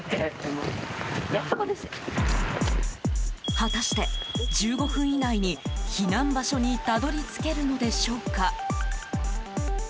果たして１５分以内に避難場所にたどり着けるのでしょうか。